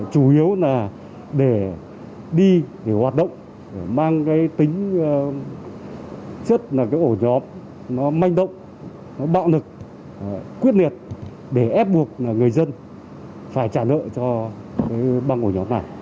chủ yếu là để đi để hoạt động mang cái tính chất là cái ổ nhóm nó manh động nó bạo lực quyết liệt để ép buộc người dân phải trả nợ cho băng ổ nhóm này